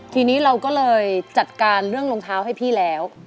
ทีนี้เราก็เลยจัดการเรื่องรองเท้าให้พี่แล้ว